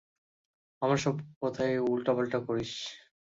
আমার সব কথায় উল্টাপাল্টা করিস।